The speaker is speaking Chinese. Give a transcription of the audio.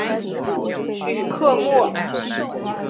吕克莫。